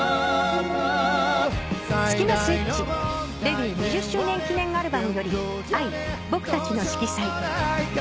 スキマスイッチデビュー２０周年記念アルバムより『藍僕たちの色彩』